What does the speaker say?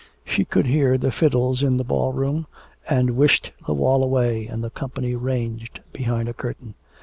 She could hear the fiddles in the ball room, and wished the wall away, and the company ranged behind a curtain.